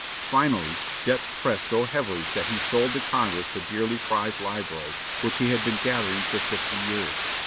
Finally, debts pressed so heavily that he sold to Congress the dearly prized library, which he had been gathering for fifty years.